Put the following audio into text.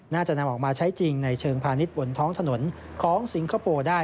น่าจะนำออกมาใช้จริงในเชิงพาณิชย์บนท้องถนนของสิงคโปร์ได้